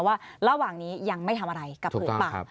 ว่าระหว่างนี้ยังไม่ทำอะไรกับผืนป่า